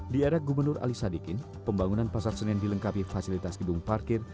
di era gubernur ali sadikin pembangunan pasar senen dilengkapi fasilitas gedung parkir